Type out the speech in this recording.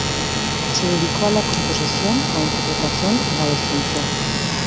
Se dedicó a la composición, la interpretación y la docencia.